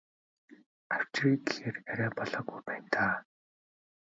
Авчиръя гэхээр арай болоогүй байна даа.